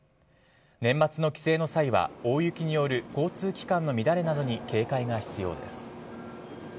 年末の帰省の際は、大雪による交通機関の乱れなどに警戒が必要です。